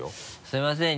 すいません